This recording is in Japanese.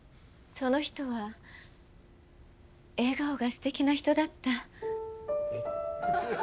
その人は笑顔がすてきな人だった。えっ？